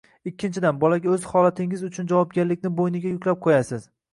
ikkinchidan, bolaga o‘z holatingiz uchun javobgarlikni bo‘yniga yuklab qo‘yasiz